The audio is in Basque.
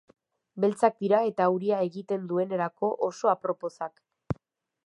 Beltzak dira eta euria egiten duenerako oso aproposak.